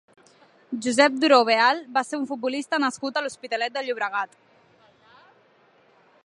Josep Duró Beal va ser un futbolista nascut a l'Hospitalet de Llobregat.